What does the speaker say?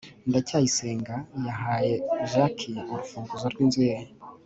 ndacyayisenga yahaye jaki urufunguzo rw'inzu ye